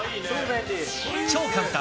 超簡単！